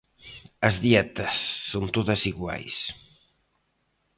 As dietas son todas iguais.